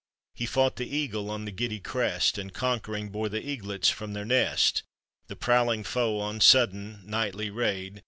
He fought the eagle on the giddy crest. And conquering, bore the eaglets from their nest; The prowling foe, on sudden, nightly raid.